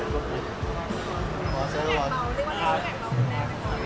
คุณยัดขายหน่อย